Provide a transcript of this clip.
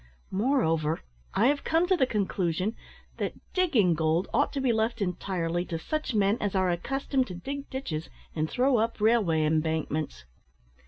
Moreover, I have come to the conclusion, that digging gold ought to be left entirely to such men as are accustomed to dig ditches and throw up railway embankments.